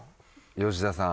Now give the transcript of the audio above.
吉田さん。